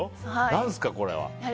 何すか、これは。